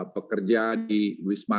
pekerja di wisman